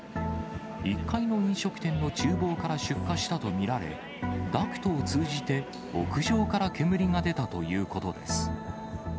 １階の飲食店のちゅう房から出火したと見られ、ダクトを通じて屋上から煙が出たということです。